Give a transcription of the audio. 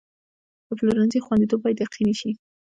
د پلورنځي خوندیتوب باید یقیني شي.